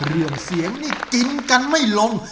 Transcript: เรื่องเสียงนี่กินกันไม่ลง